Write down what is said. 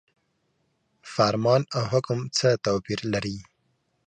فرمان او حکم څه توپیر لري؟